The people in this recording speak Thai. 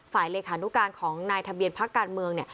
ฝ่ายเลขานุการณ์ของนายทะเบียนพักการเมือง